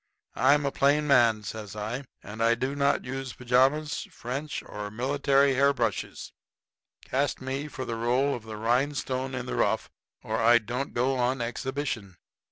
"I'm a plain man," says I, "and I do not use pajamas, French, or military hair brushes. Cast me for the role of the rhinestone in the rough or I don't go on exhibition.